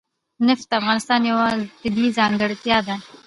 نفت د افغانستان یوه طبیعي ځانګړتیا ده.